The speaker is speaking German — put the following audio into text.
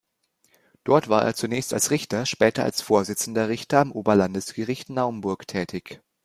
Dort war er zunächst als Richter, später als Vorsitzender Richter am Oberlandesgericht Naumburg tätig.